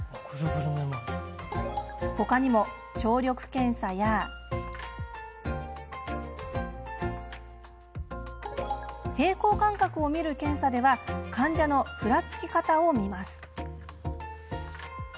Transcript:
他にも聴力検査や平衡感覚を見る検査では患者のふらつき方を見ます。